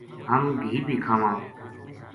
ہم گھی بے کھاواں